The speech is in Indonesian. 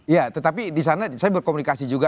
ya tetapi disana saya berkomunikasi juga